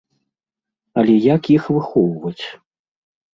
Але як іх выхоўваць?